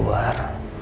aku di luar